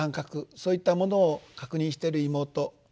そういったものを確認している妹。